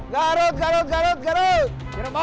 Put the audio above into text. garut garut garut garut